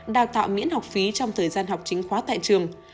đào tạo miễn học phí trong thời gian học chính khóa tại trường